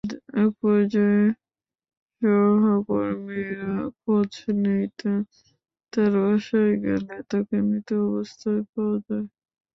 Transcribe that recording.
একপর্যায়ে সহকর্মীরা খোঁজ নিতে তাঁর বাসায় গেলে তাঁকে মৃত অবস্থায় পাওয়া যায়।